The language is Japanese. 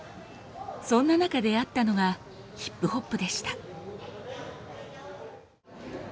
そんな中出会ったのがヒップホップでした。